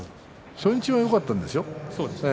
初日はよかったんですね。